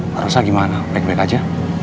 pak rosa gimana baik baik aja